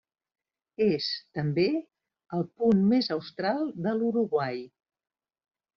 És, també, el punt més austral de l'Uruguai.